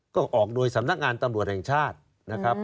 ก็ออกโดยสำนักงานตำรวจแห่งชาตินะครับ